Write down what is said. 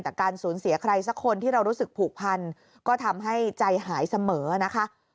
แต่การสูญเสียใครสักคนที่เรารู้สึกผูกพันก็ทำให้ใจหายเสมอนะคะ